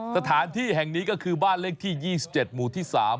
สถานที่แห่งนี้ก็คือบ้านเลขที่๒๗หมู่ที่๓